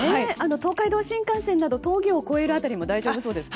東海道新幹線など峠を越える辺りも大丈夫そうですか。